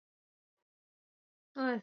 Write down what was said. Osha na menya viazi